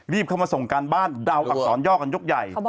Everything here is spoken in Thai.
เข้ามาส่งการบ้านเดาอักษรย่อกันยกใหญ่